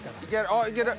おっいける。